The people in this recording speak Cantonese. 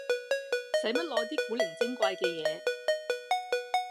使乜攞啲古靈精怪嘅嘢